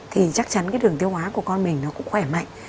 thì chắc chắn cái đường tiêu hóa của con mình nó cũng khỏe mạnh